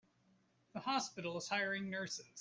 The hospital is hiring nurses.